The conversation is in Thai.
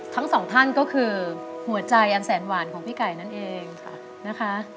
ทั้งสองท่านก็คือหัวใจอันแสนหวานของพี่ไก่นั่นเองค่ะนะคะ